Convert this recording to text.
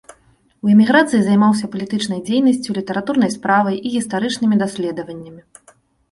У эміграцыі займаўся палітычнай дзейнасцю, літаратурнай справай і гістарычнымі даследаваннямі.